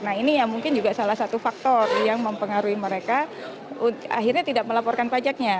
nah ini yang mungkin juga salah satu faktor yang mempengaruhi mereka akhirnya tidak melaporkan pajaknya